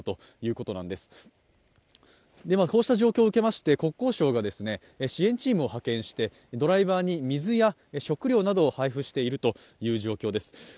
こうした状況を受けて国交省が支援チームを派遣してドライバーに水や食料などを配布しているという状況です。